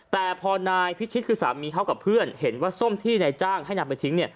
แต่พอนายพิชิตคือสามีเขากับเพื่อนเห็นว่าส้มที่นายจ้างให้นำไปทิ้ง